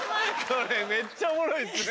これめっちゃおもろいっすね。